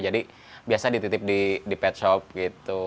jadi biasa dititip di pet shop gitu